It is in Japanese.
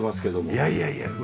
いやいやいや。